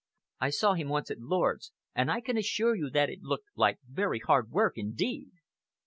I saw him once at Lord's, and I can assure you that it looked like very hard work indeed."